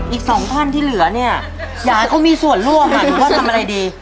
อีกสองท่านที่เหลือเนี่ยอยากให้เขามีส่วนร่วมค่ะหรือว่าทำอะไรดี